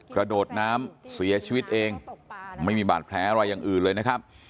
กระโดดน้ำเสียชีวิตเองไม่มีบาดแผลอะไรอย่างอื่นเลยนะครับ